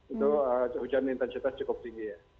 itu hujan intensitas cukup tinggi ya